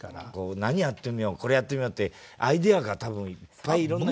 何やってみようこれやってみようってアイデアが多分いっぱいいろんな人から。